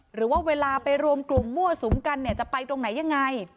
หรือว่าเวลาไปรวมกลุ่มมั่วสุมกันเนี่ยจะไปตรงไหนยังไง